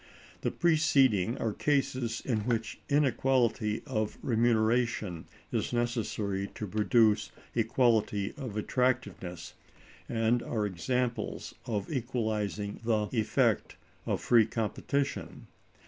The preceding are cases in which inequality of remuneration is necessary to produce equality of attractiveness, and are examples of the equalizing effect of free competition.